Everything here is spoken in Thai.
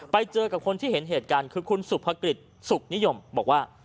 ไปเจอกับคนที่เห็นเหตุการณ์คือคุณสุภกฤษสุขนิยมบอกว่า